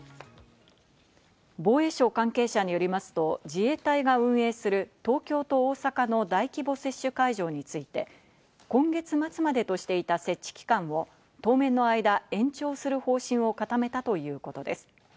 防衛省関係者によりますと、自衛隊が運営する東京と大阪の大規模接種会場について、今月末までとしていた設置期間を当面の間、延長する方針を固めたということです。